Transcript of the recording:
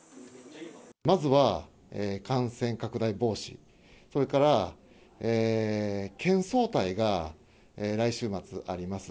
まずは感染拡大防止、それから、県総体が来週末あります。